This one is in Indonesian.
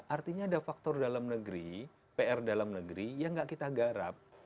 artinya ada faktor dalam negeri pr dalam negeri yang nggak kita garap